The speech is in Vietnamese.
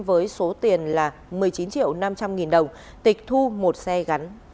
với số tiền là một mươi chín triệu năm trăm linh nghìn đồng tịch thu một xe gắn